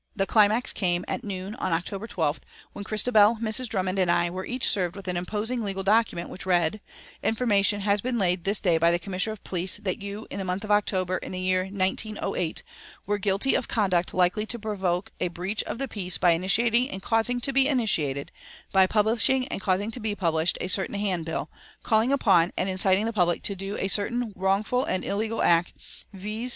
The climax came at noon on October 12th, when Christabel, Mrs. Drummond and I were each served with an imposing legal document which read, "Information has been laid this day by the Commissioner of Police that you, in the month of October, in the year 1908, were guilty of conduct likely to provoke a breach of the peace by initiating and causing to be initiated, by publishing and causing to be published, a certain handbill, calling upon and inciting the public to do a certain wrongful and illegal act, viz.